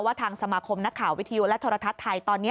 ทางสมาคมนักข่าววิทยุและโทรทัศน์ไทยตอนนี้